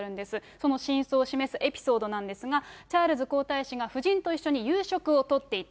その真相を示すエピソードなんですが、チャールズ皇太子が夫人と一緒に夕食をとっていた。